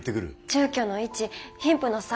住居の位置貧富の差